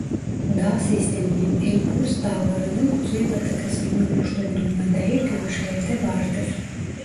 Dağ sisteminin Elburz Dağları'nın kuzeybatı kısmını oluşturduğuna dair görüşlerde vardır.